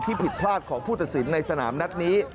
ผิดพลาดของผู้ตัดสินในสนามนัดนี้